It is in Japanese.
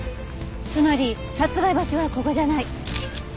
つまり殺害場所はここじゃない。